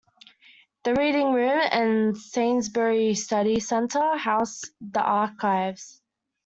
The reading room and Sainsbury's Study Centre house the archives.